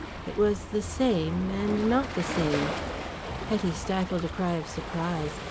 It was the same, and not the same. Hetty stifled a cry of surprise.